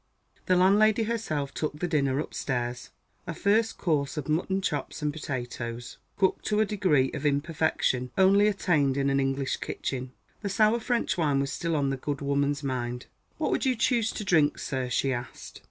The landlady herself took the dinner upstairs a first course of mutton chops and potatoes, cooked to a degree of imperfection only attained in an English kitchen. The sour French wine was still on the good woman's mind. "What would you choose to drink, sir?" she asked.